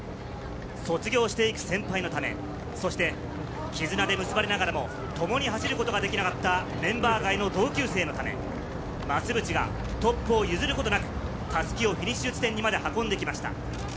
卒業していく先輩のため、そしてきずなで結ばれながらも、共に走ることができなかったメンバー外の同級生のため増渕がトップを譲ることなく襷をフィニッシュ地点まで運んできました。